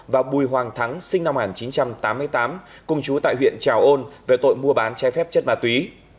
và bùi hoàng thắng sinh năm một nghìn chín trăm tám mươi tám cùng chú tại huyện trào ôn về tội mua bán trái phép chất ma túy